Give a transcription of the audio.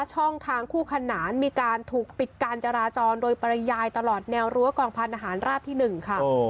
ช่องทางคู่ขนานมีการถูกปิดการจราจรโดยปริยายตลอดแนวรั้วกองพันธหารราบที่๑ค่ะ